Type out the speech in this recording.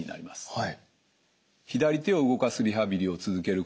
はい。